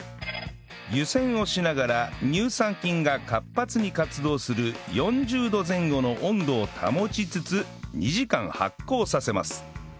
湯煎をしながら乳酸菌が活発に活動する４０度前後の温度を保ちつつ２時間発酵させます